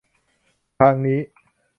ทางนี้